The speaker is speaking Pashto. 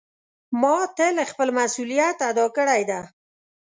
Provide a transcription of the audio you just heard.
ما تل خپل مسؤلیت ادا کړی ده.